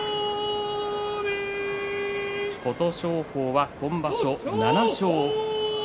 琴勝峰は今場所７勝です。